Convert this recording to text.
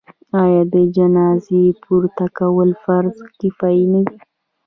آیا د جنازې پورته کول فرض کفایي نه دی؟